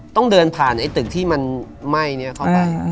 ต้องเดินผ่านไอ้ตึกที่มันไหม้นี้เข้าไป